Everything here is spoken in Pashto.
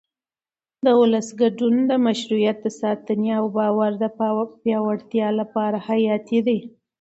د ولس ګډون د مشروعیت د ساتنې او باور د پیاوړتیا لپاره حیاتي دی